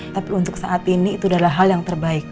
tapi untuk saat ini itu adalah hal yang terbaik